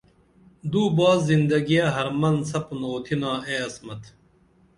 دو باس زندگیہ حرمن سپُن اُوتِھنا اے عصمت